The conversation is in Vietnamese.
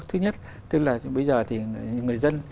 thứ nhất tức là bây giờ thì người dân